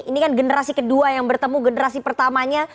ini kan generasi kedua yang bertemu generasi pertamanya